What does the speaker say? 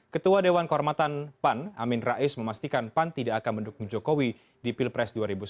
ketua dewan kehormatan pan amin rais memastikan pan tidak akan mendukung jokowi di pilpres dua ribu sembilan belas